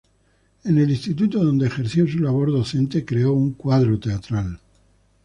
En el instituto donde ejerció su labor docente creó un cuadro teatral.